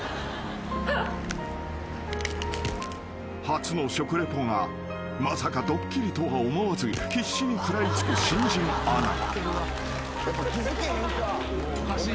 ［初の食リポがまさかドッキリとは思わず必死に食らい付く新人アナ］